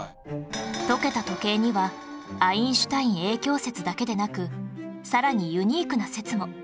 溶けた時計にはアインシュタイン影響説だけでなくさらにユニークな説も